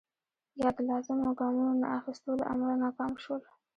یا د لازمو ګامونو نه اخیستو له امله ناکام شول.